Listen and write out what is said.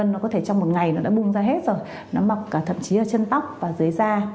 nó bùng ra hết rồi nó mọc cả thậm chí là chân tóc và dưới da